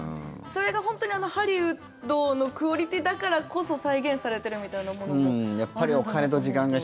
それが本当に、ハリウッドのクオリティーだからこそ再現されてるみたいなものもあるのかなと思うと。